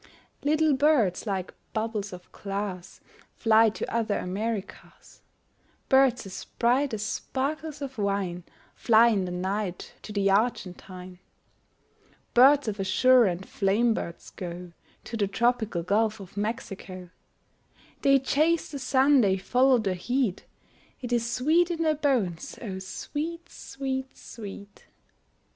Little birds like bubbles of glass Fly to other Americas, Birds as bright as sparkles of wine Fly in the night to the Argentine, Birds of azure and flame birds go To the tropical Gulf of Mexico: They chase the sun, they follow the heat, It is sweet in their bones, O sweet, sweet, sweet!